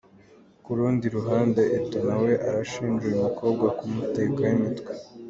Ku rundi ruhande, Eto’o na we arashinja uyu mukobwa kumutekaho imitwe .